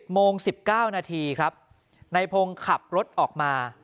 โมง๑๙นาทีครับนายพงศ์ขับรถออกมา